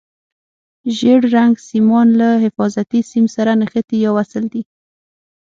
ژېړ رنګ سیمان له حفاظتي سیم سره نښتي یا وصل دي.